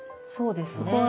そうですね。